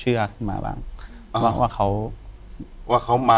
อยู่ที่แม่ศรีวิรัยิลครับ